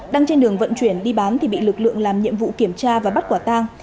đang trên đường vận chuyển đi bán thì bị lực lượng làm nhiệm vụ kiểm tra và bắt quả tang